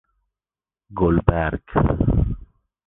گلبرگ